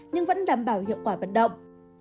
nhưng vẫn đảm bảo hiệu quả vận động